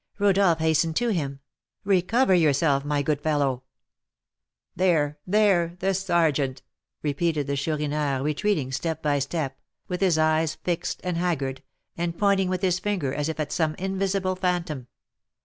Rodolph hastened to him: "Recover yourself, my good fellow!" "There! there! the sergeant!" repeated the Chourineur, retreating step by step, with his eyes fixed and haggard, and pointing with his finger as if at some invisible phantom.